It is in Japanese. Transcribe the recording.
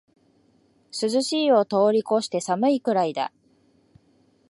涼しいを通りこして寒いくらいだ